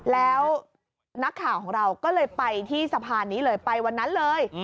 แล้วนักข่าวของเราก็เลยไปที่สะพานนี้เลยไปวันนั้นเลย